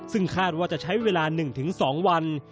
ซึ่งคาดว่าจะใช้เวลา๑๒วัน